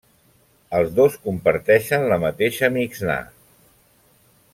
Els dos comparteixen la mateixa Mixnà.